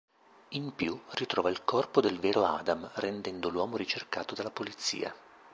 In più, ritrova il corpo del vero Adam, rendendo l'uomo ricercato dalla polizia.